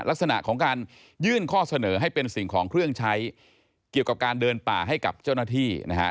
ลักษณะของการยื่นข้อเสนอให้เป็นสิ่งของเครื่องใช้เกี่ยวกับการเดินป่าให้กับเจ้าหน้าที่นะฮะ